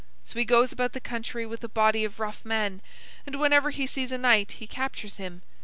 So he goes about the country with a body of rough men, and whenever he sees a knight, he captures him.